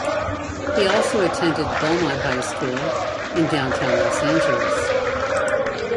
He also attended Belmont High School in Downtown Los Angeles.